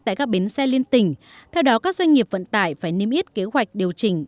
tại các bến xe liên tỉnh theo đó các doanh nghiệp vận tải phải niêm yết kế hoạch điều chỉnh